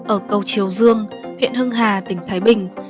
ở cầu triều dương huyện hưng hà tỉnh thái bình